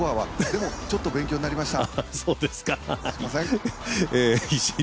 でも、ちょっと勉強になりました。